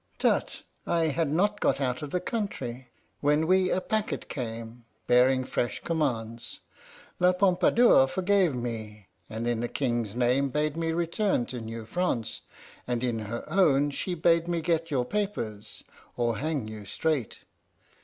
Tut! I had not got out of the country when we a packet came, bearing fresh commands. La Pompadour forgave me, and in the King's name bade me return to New France, and in her own she bade me get your papers, or hang you straight.